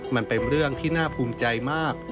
มันเป็นเรื่องที่น่าภูมิใจมาก